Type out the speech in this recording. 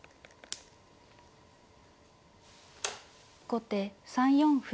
後手３四歩。